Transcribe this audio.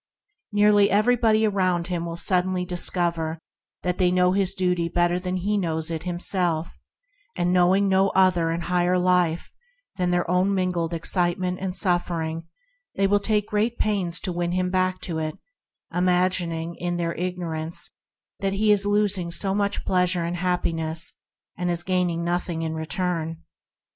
Nearly everybody around him will suddenly discover that they know his duty better than he knows it himself, and, knowing no other and higher life than their own of mingled excitement and suffering, they will take great pains to win him back to it, imagining, in their ignorance, that he is losing much pleas ure and happiness, and gaining nothing in return.